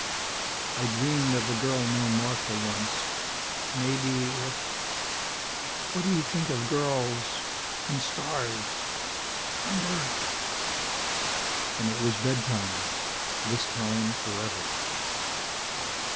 "I dreamed of a girl named Martha once. Maybe if " "What do you think of girls? And stars? And Earth?" And it was bedtime, this time forever.